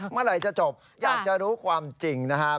เมื่อไหร่จะจบอยากจะรู้ความจริงนะครับ